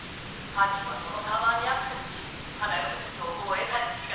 犯人はそのサーバーにアクセスし花嫁の情報を得たに違いない。